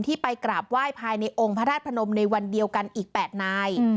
ไปกราบไหว้ภายในองค์พระธาตุพนมในวันเดียวกันอีก๘นาย